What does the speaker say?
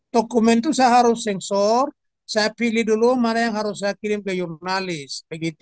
dokumen itu saya harus sensor saya pilih dulu mana yang harus saya kirim ke jurnalis